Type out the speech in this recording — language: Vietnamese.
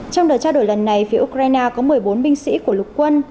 trong đợt trao đổi lần này phía ukraine có một mươi bốn binh sĩ của lục quân